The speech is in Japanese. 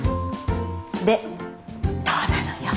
でどうなのよ？